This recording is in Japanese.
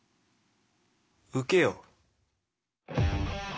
受けよう。